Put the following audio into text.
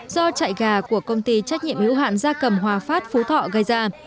do chạy gà của công ty trách nhiệm hữu hạn gia cầm hòa phát phú thọ gây ra